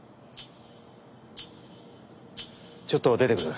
ちょっと出てくる。